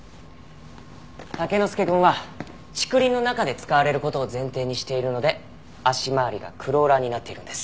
タケノスケくんは竹林の中で使われる事を前提にしているので足回りがクローラーになっているんです。